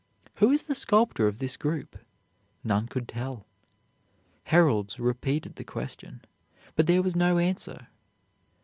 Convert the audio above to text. "Who is the sculptor of this group?" None could tell. Heralds repeated the question, but there was no answer.